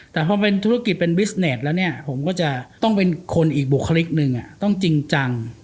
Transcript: แต่พอเป็นธุรกิจเป็นบิสเน็ตแล้วเนี่ยผมก็จะต้องเป็นคนอีกบุคลิกหนึ่งต้องจริงจัง